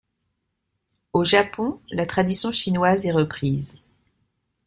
Au Japon, la tradition chinoise est reprise.